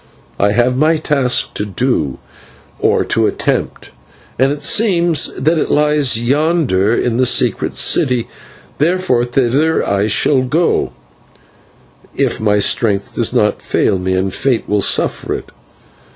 I have my task to do, or to attempt, and it seems that it lies yonder in the Secret City, therefore thither I shall go if my strength does not fail me and fate will suffer it.